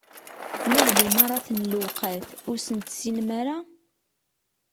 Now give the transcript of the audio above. Ma d limaṛat n lewqat, ur sen-tessinem ara?